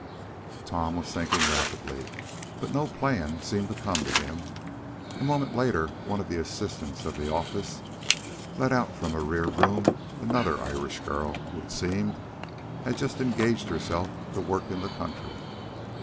Tom was thinking rapidly, but no plan seemed to come to him. A moment later one of the assistants of the office led out from a rear room another Irish girl, who, it seems, had just engaged herself to work in the country.